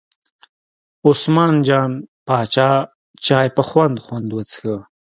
عثمان جان پاچا چای په خوند خوند وڅښه.